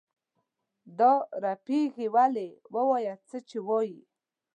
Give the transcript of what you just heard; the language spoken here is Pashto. دا رپېږې ولې؟ وایه څه وایې؟